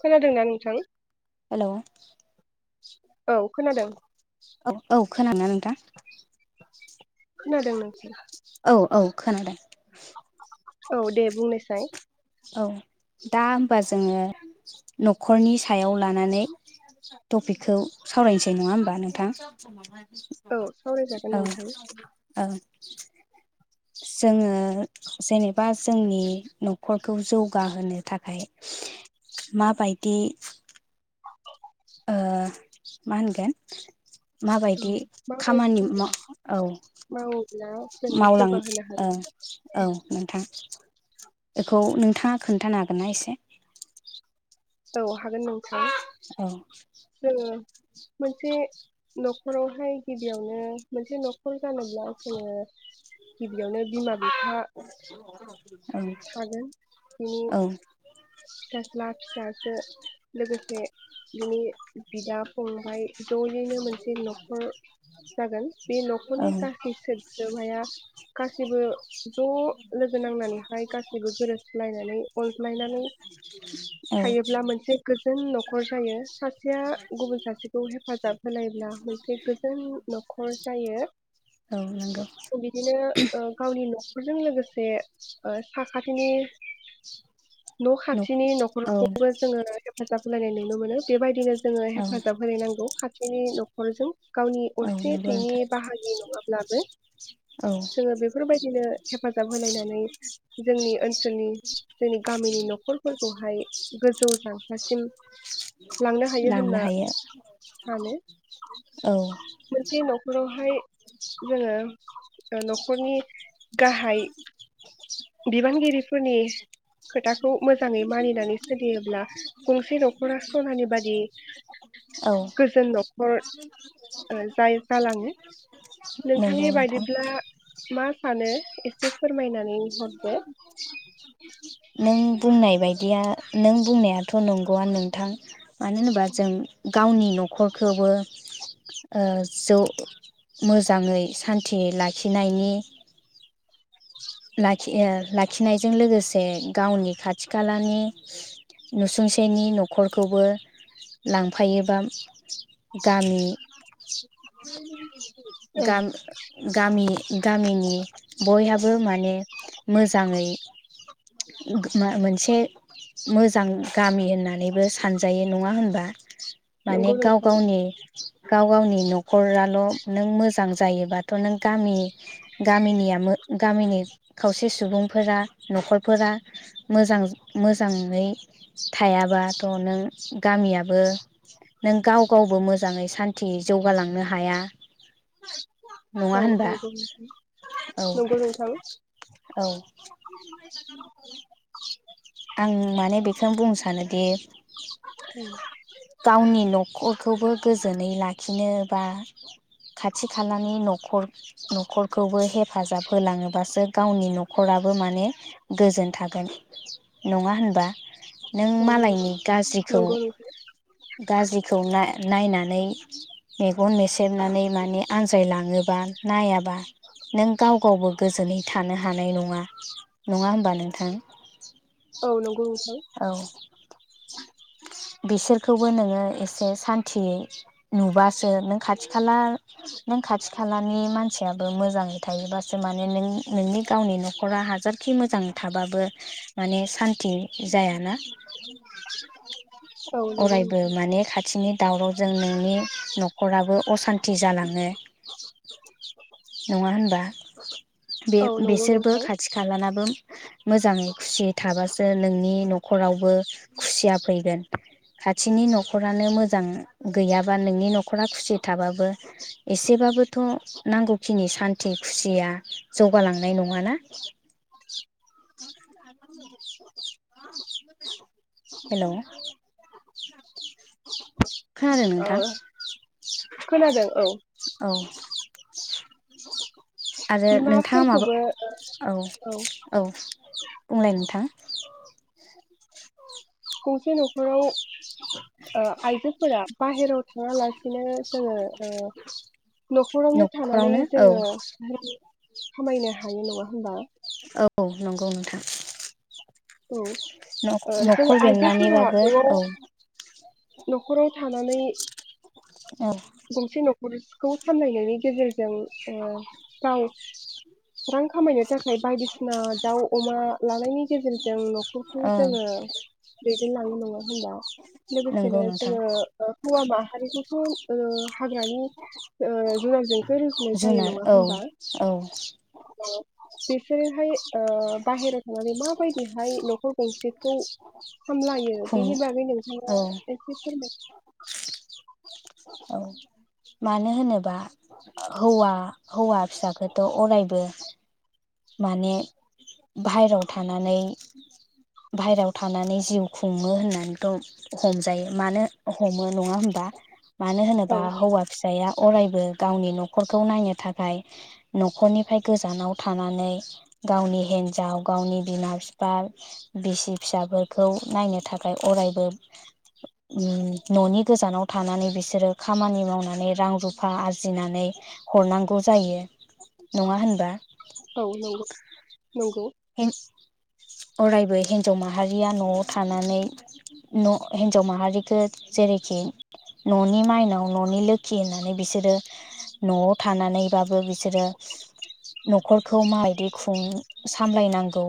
खोनादों ना नोंथां। हेलौ औ खोनादों औ औ खोनाना नोंथां। खोनादों नोंथां। औ औ खोनादों। औ दे बुंनोसै औ दा हबा जोङो न'खरनि सायाव लानानै टपिकखौ सावरायनोसै नङा होमबा नोंथां औ सावरायजागोन नोंथां जोंङो जेनेबा जोंनि नखर नखरखौ जौगाहोनो थाखाय माबायदि ओ मा होनगोन औ माबायदि खामानि माबायदि माव औ मावोब्ला जोङो मावलां जौगाहोनो हागोन औ औ नोंथां बेखौ नोंथाङा खोन्थानो हागोन ना एसे औ हागोन नों औ मोनसे न'खरावहाय गिबियावनो मोनसे न'खर जानोब्ला जोंङो गिबियावनो बिमा बिफा औ थागोन बिनि औ [unintelligible] फिसाज्ला फिसाजो लोगोसे बिनि बिदा फंबाय जयैनो मोनसे न'खर जागोन बे औ न'खरनि गासै सोद्रोमाया गासैबो ज लोगो नांनानैहाय गासैबो गोरोबस्लायनानै अनज्लायनानै औ थायोब्ला मोनसे गोजोन न'खर जायो सानसे सासेया गुबुन सासेखौ हेफाजाब होलायब्ला मोनसे गोजोन न'खर जायो औ नंगौ बिदिनो गावनि न'खरजों लोगोसे साखाथिनि खाथिनि औ न'खरखौबो जोङो हेफाजाब होलायनाय नुनो मोनो बेबायदिनो जोङो औ हेफाजाब होनो नांगौ खाथिनि न'खरजों गावनि औ असे नंगौ थैनि नोंथां बाहागि नङाब्लाबो औ जोङो बेफोरबायदिनो हेफाजाब होलायनानै जोंनि ओनसोलनि जोंनि गामिनि न' न'खरफोरखौहाय गोजौ जांख्लासिम लांनो हायो होनना सानो औ मोनसे न'खराव बेवहाय जोङो ओ न'खरनि गाहाय बिबानगिरिफोरनि खोथाखौ मोजाङै मानिनानै सोलियोब्ला गंसे न'खरा सनानि बादि औ गोजोन न'खर ओ जाय [unintelligible] जालाङो। नंगौ नोंथांनि नोंथां बायदिब्ला मा सानो एसे फोरमायनानै हरदो। नों बुंनाय बायदिया नों बुंनायाथ' नंगौयानो नोंथां मानो होनोबा जों गावनि न'खरखौबो ओ जौ मोजाङै सान्थि लाखिनायनि लाखि ओ लाखिनायजों लोगोसे गावनि खाथि खालानि नुसुंसेनि न'खरखौबो लांफायोबा गामि औ गाम गामि गामिनि बयहाबो मा ने मोजाङै मोनसे मोजां गामि होननानैबो सानजायो नङा होनबा? माने नंगौ गाव नोंथां गावनि गाव गावनि न'खराल' नों मोजां जायोबाथ' नों गामि गामिनिया गामिनि खावसे सुबुंफोरा न'खर फोरा मोजां मोजाङै थायाबाथ' नों गामियाबो नों गाव गावबो मोजाङै सान्थि जौगालांनो हाया। नङा औ होनबा? नंगौ नोंथां नंगौ नोंथां आं माने बेखौनो बुंनो सानोदि औ गावनि न खर'खौबो गोजोनै लाखिनो बा खाथि खालानि न'खर न'खरखौबो हेफाजाब होलाङोबासो गावनि न'खराबो माने गोजोन थागोन नङा होनबा? नों मालायनि गाज्रिखौ नंगौ नंगौ नोंथां गाज्रिखौ नाय नायनानै मेगन मेसेबनानै माने आनजायलाङोबा नायाबा नों गाव गावबो गोजोनै थानो हानाय नङा। नङा होमबा नोंथां? औ नंगौ नोंथां औ। बिसोरखौबो नोङो एसे सान्थियै नुबासो नों खाथि खाला नों खाथि खालानि मानसियाबो मोजाङै थायोबासो माने नों नोंनि गावनि न'खरा हाजार खि मोजां थाबाबो माने सान्थि जायाना। औ नंगौ अरायबो नोंथां माने खाथिनि दावरावजों नोंनि न'खराबो असान्थि जालाङो नङा होनबा? बे औ नंगौ बेसोरबो नोंथां खाथि खा ब्लाबो मोजाङै खुसियै थाबासो नोंनि न'खरावबो खुसिया फैगोन खाथिनि न'खरानो मोजां गैयाबा नोंनि न'खरा खुसियै थाबाबो एसेबाबोथ' नांगौखिनि सान्थि खुसिया जौगालांनाय नङाना। [inaudible] हेल' खोनादों ओ नोंथां? [inaudible] खोनादों औ आरो नोंथाङा माबा बिमाफोरखौबो औ। औ। बुंलाय नोंथां। गंसे नखराव ओ आइजोफोरा बाहेराव थाङालासिनो जोङो ओ न'खरावनो थानानै जोङो खामायनो हायो नङा होनबा? औ नंगौ नोंथां। औ ओ जों न'खर आइजोफोरा बेंनानैबाबो बेयाव औ न'खराव थानानै औ गसे नखरस खौ सामलायनायनि गेजेरजों ओ गाव रां खामायनो थाखाय बायदिसिना दाउ अमा लानायनि गेजेरज जों ल' न'खरखौ ओं जोङो ए लाङो नङा होमबा? नंगौ लोगोसेनो नोंथां जोङो ओ हौवाबा [unintelligible] ओ हाग्रानि ओ जुनारजों जुनार औ औ बिसोरोहाय ओ बाहेरायाव थांनानै माबायदिहाय न'खर गंसेखौ सामलायो खुं बेनि बागै नोंथाङा औ एसे फोरमाय औ मानो होनोबा हौवा हौवा फिसाखोथ' अरायबो माने बाहेरायाव थानानै बाहेरायाव थानानै जिउ खुङो होननानैथ' हमजायो मानो हमो नङा होमबा? मानो औ होनोबा हौवा फिसाया अरायबो गावनि न'खरखौ नायनो थाखाय न'खरनिफ्राय गोजानाव था थानानै गावनि हिन्जाव गावनि बिमा बिफा बिसि फिसाफोरखौ नायनो थाखाय अरायबोओ उम न'नि गोजानाव थानानै बिसोरो खामानि मावनानै रां रुफा आरजिनानै हरनांगौ जायो नङा होनबा? औ नंगौ नंगौ। ए अरायबो हिन्जाव माहारिया न'आव थानानै न' हिन्जाव माहारिखौ जेरैखि न'नि माइनाव न'नि लोखि होननानै बिसोरो न'आव थानानैबाबो बिसोरो न'खरखौ माबायदि खुं सामलायनांगौ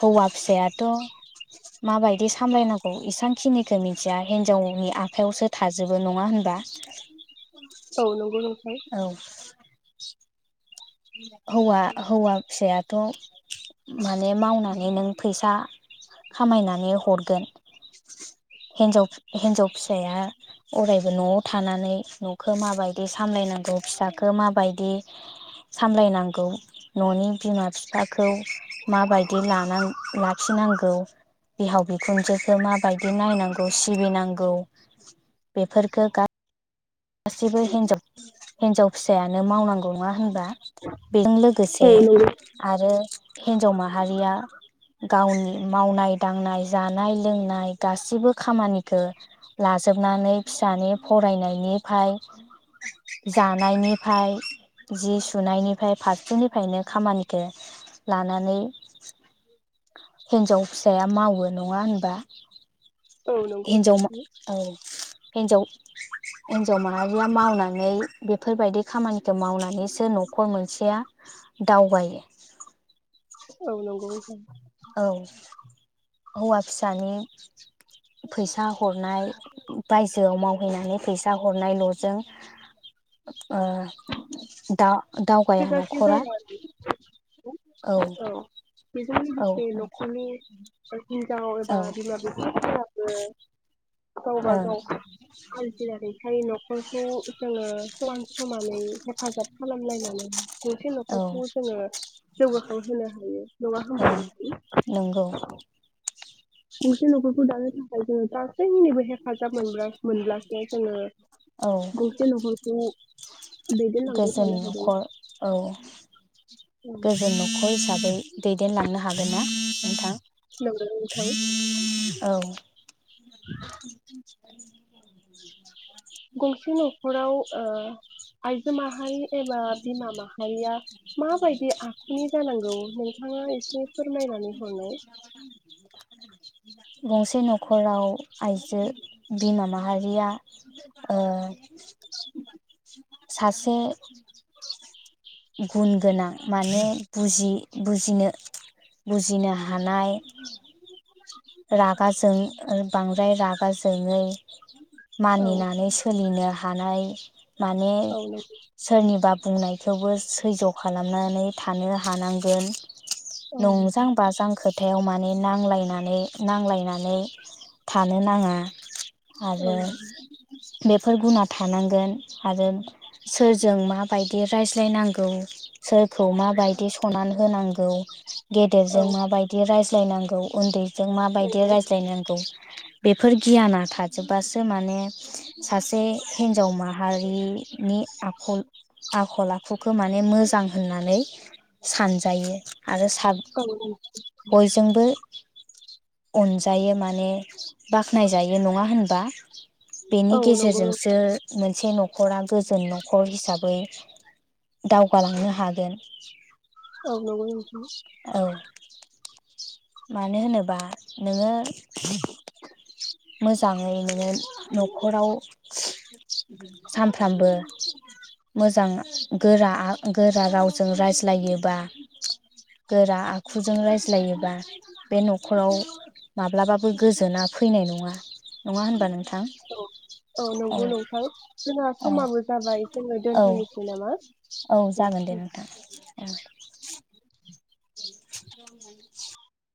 हौवा फिसायाथ' माबायदि सामलायनांगौ इसांखिनिखौ मिथिया हिनजावनि आखायावसो थाजोबो नङा होनबा। औ नोंगौ नोंथां औ [inaudible] हौवा हौवा फिसायाथ' माने मावनानै नों फैसा खामायनानै हरगोन हिनजाव हिन्जाव फिसाया अरायबो न'आव थानानै न'खौ माबायदि सामलायनांगौ फिसाखौ माबायदि सामलायनांगौ न'नि बिमा बिफाखौ माबायदि लानां लाखिनांगौ बिहाव बिखुनजोखौ माबायदि नायनांगौ सिबिनांगौ बेफोरखौ गा सिबो हेनजाव-हिन्जाव फिसायानो मावनांगौ नङा होनबा। बेजों लोगोसे औ नंगौ आरो हिन्जाव माहारिया गावनि मावनाय-दांनाय, जानाय- लोंनाय गासिबो खामानिखौ लाजोबनानै फिसानि फरायनायनि फ्राय जानायनिफ्राय जि सुनायनिफ्राय फारसेनिफ्रायनो खामानिखौ लानानै हिन्जाव फिसाया मावो नङा होनबा औ नंगौ हिन्जाव मा औ हिन्जाव हिन्जाव माहारिया मावनानै बेफोरबायदि खामानिखौ मावनानैसो न'खर मोनसेया दावगायो। औ नंगौ नोंथां औ हौवा फिसानि फैसा हरनाय बायजोआव मावहैनानै फैसा हरनायल'जों ओ दा दावगाया थोजासे न'खरा जाया औ बेजोंनो औ जि न'खरनि ओ हिनजाव औ एबा ओ बिमा बिफाफोरा [unintelligible] गावबा गाव मानसि जानायखाय न' खर'खौ जोङो समान समानै हेफाजाब खालामलायनानै [inaudible] गसे औ न'खरखौ जोङो जौगाखांहोनो हायो नङा ओ होनबा नंगौ नोंथां गंसे न'खरखौ दानो थाखाय जोङो गासैैबो हे फाजाब मोनब्ला मोनब्लासो जोङो औ गंसे न'खरखौ दैदेनलांबाय गोजोन थानो हादों न'खर औ गोजोन न'खर हिसा बै दैदेनलांनो हागोन ना नोंथां? नोंगौ नोंथां औ [inaudible] गंसे न'खराव ओ आइजो माहारि एबा बिमा माहारिया माबायदि आखुनि जानांगौ नोंथाङा एसे फोरमायनानै हरनाय गंसे न'खराव आइजो बिमा माहारिया ओ सासे गुन गोनां माने बुजि बुजिनो बुजिनो हानाय रागा जों ओ बांद्राय रागा जोंङै औ मानिनानै सोलिनो हानाय माने औ नंगौ सोरनिबा बुंनाय थेवबो सैज' खालामनानै थानो हानांगोन औ नंजां नंगौ बाजां खोथायाव मा ने नांलायनानै नांलायनानै थानो नाङा औ आरो नंगौ बेफोर गुना थानांगोन आरो सोरजों माबायदि रायज्लायनांगौ सोरखौ माबायदि सनान होनांगौ औ गेदेरजों माबायदि रायज नायनांगौ उन्दै जों माबायदि नंगौ रायज्लायनांगौ बेफोर गियाना थाजोबबासो माने सासे हिन्जाव माहारिनि आखल आखल आखुखौ माने मोजां होननानै सानजायो आरो साब बयजोंबो [inaudible] अनजायो माने बाख्नायजायो नङा होनबा। बेनि औ नंगौ गेजेरजोंसो मोनसे न'ख रा गोजोन नखर हिसाबै दावगालांनो हागोन। औ नंगौ नोंथां औ मानो होनोबा नोङो मोजाङै नोङो न'खराव सानफ्रामबो मोजां गोरा आ गोरा रावजों रायज्लायोबा गोरा आखुजों रायज्लायोबा बे न'खराव माब्लाबाबो गोजोना फैनाय नङा नङा होनबा नों औ औ नंगौ नोंथां जोंहा औ समाबो जाबाय जोङो औ दोनथ'नोसै नामा औ दे जागोन दे ओम नोंथां औ दे